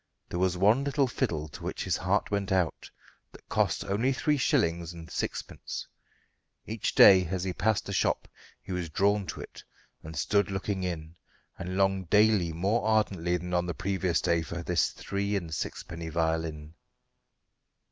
There was one little fiddle to which his heart went out, that cost only three shillings and sixpence. Each day, as he passed the shop, he was drawn to it, and stood looking in, and longed daily more ardently than on the previous day for this three and sixpenny violin.